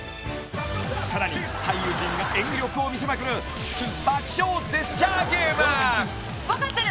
［さらに俳優陣が演技力を見せまくる爆笑ジェスチャーゲーム］分かってる。